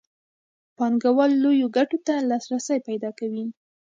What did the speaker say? پانګوال لویو ګټو ته لاسرسی پیدا کوي